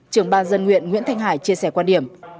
trưởng ban dân nguyện nguyễn thanh hải chia sẻ quan điểm